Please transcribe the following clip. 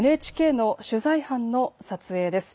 ＮＨＫの取材班の撮影です。